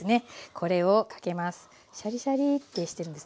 これをかけます。